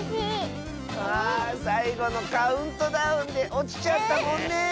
あさいごのカウントダウンでおちちゃったもんね。